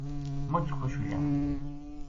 مچ خوش ہویا